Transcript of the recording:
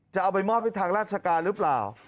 จะเอาไปมอบให้ทางราชการหรือเปล่า